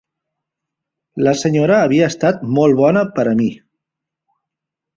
La senyora havia estat molt bona per a mi.